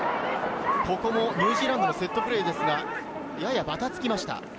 ニュージーランドのセットプレーですが、ややバタつきました。